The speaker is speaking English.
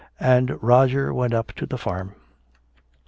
And Roger went up to the farm.